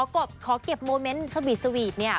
ขอเก็บโมเมนต์สวีทเนี่ย